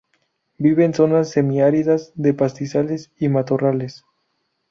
Vive en zonas semiáridas de pastizales y matorrales.